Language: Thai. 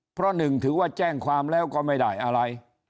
เพราะหนึ่งถือว่าแจ้งความแล้วก็ไม่ได้อะไร